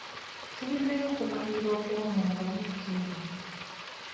Tulinayo okubalira okw'omunda wiiki eno.